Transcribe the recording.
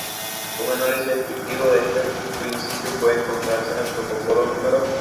Un análisis descriptivo de este principio puede encontrarse en el "Protocolo No.